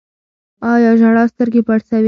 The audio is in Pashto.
آیا ژړا سترګې پړسوي؟